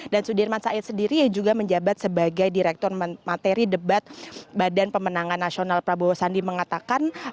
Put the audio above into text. dan sudirman said sendiri juga menjabat sebagai direktur materi debat badan pemenangan nasional prabowo sandi mengatakan